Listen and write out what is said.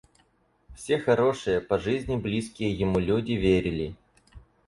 Все хорошие по жизни близкие ему люди верили.